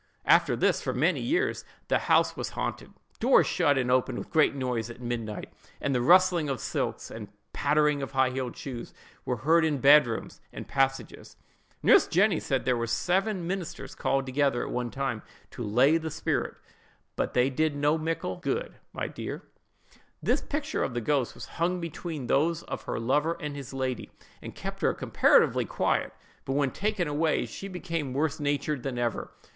"After this, for many years, the house was haunted: doors shut and opened with great noise at midnight; and the rustling of silks, and pattering of high heeled shoes, were heard in bed rooms and passages. Nurse Jenny said there were seven ministers called together at one time, to lay the spirit; 'but they did no mickle good, my dear.' "The picture of the ghost was hung between those of her lover and his lady, and kept her comparatively quiet; but when taken away, she became worse natured than ever.